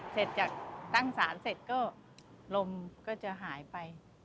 เสร็จจากตั้งศาลเสร็จก็ลมก็จะหายไป